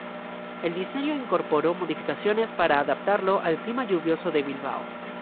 El diseño incorporó modificaciones para adaptarlo al clima lluvioso de Bilbao.